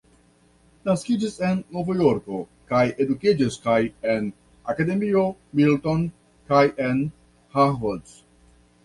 Naskiĝis en Novjorko kaj edukiĝis kaj en Akademio Milton kaj en Harvard.